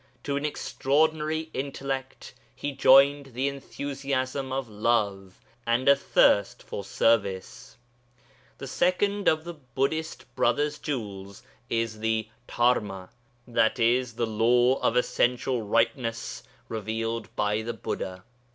To an extraordinary intellect he joined the enthusiasm of love, and a thirst for service. The second of the Buddhist brother's jewels is the Dharma, i.e. the Law or Essential Rightness revealed by the Buddha.